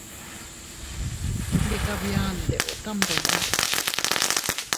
Ndika bia, ndeeo tam dolin.